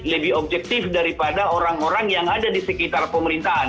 lebih objektif daripada orang orang yang ada di sekitar pemerintahan